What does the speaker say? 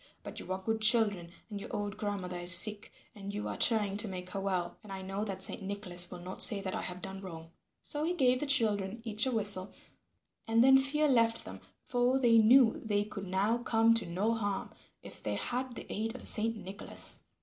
But you are good children and your old grandmother is sick, and you are trying to make her well, and I know that Saint Nicholas will not say that I have done wrong." So he gave the children each a whistle, and then fear left them, for they knew they could now come to no harm if they had the aid of Saint Nicholas.